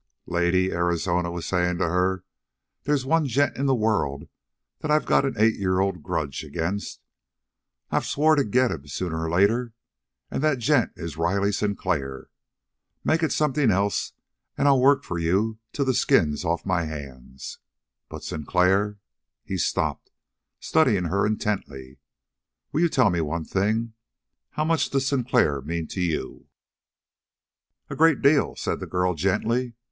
"Lady," Arizona was saying to her, "they's one gent in the world that I've got an eight year old grudge agin'. I've swore to get him sooner or later, and that gent is Riley Sinclair. Make it something else, and I'll work for you till the skin's off my hands. But Sinclair " He stopped, studying her intently. "Will you tell me one thing? How much does Sinclair mean to you." "A great deal," said the girl gently.